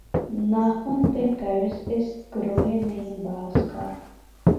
ناخن پہ قرض اس گرہِ نیم باز کا